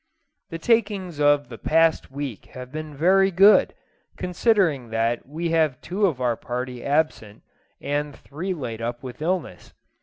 The takings of the past week have been very good, considering that we have two of our party absent, and three laid up with illness.